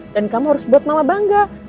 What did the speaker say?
dan kamu harus buat mama bangga